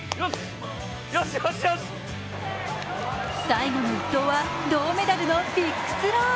最後の１投は銅メダルのビッグスロー。